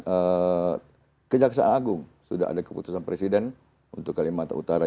eh kejaksaan agung sudah ada keputusan presiden untuk kalimantan utara